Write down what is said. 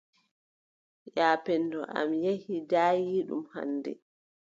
Yaapenndo am yehi daayiiɗum hannde.